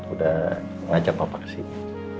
udah ngajak papa ke sini